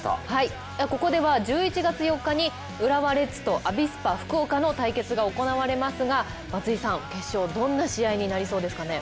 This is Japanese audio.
ここでは１１月４日に浦和レッズとアビスパ福岡の対決が行われますが、松井さん決勝、どんな試合になりそうでしょうかね。